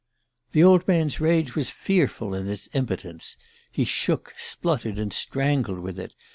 "The old man's rage was fearful in its impotence he shook, spluttered and strangled with it.